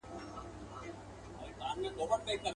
هم په چرت كي د بيزو او هم د ځان وو.